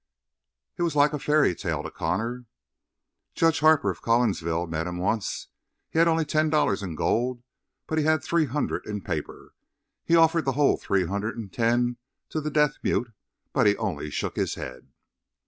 It was like a fairy tale to Connor. "Jude Harper of Collinsville met him once. He had only ten dollars in gold, but he had three hundred in paper. He offered the whole three hundred and ten to the deaf mute but he only shook his head."